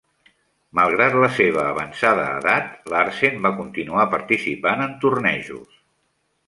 Malgrat la seva avançada edat, Larsen va continuar participant en tornejos.